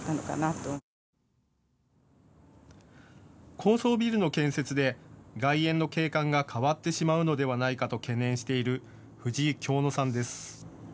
高層ビルの建設で外苑の景観が変わってしまうのではないかと懸念している藤井京乃さんです。